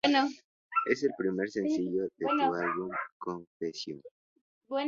Es el primer sencillo de su álbum "Confessions".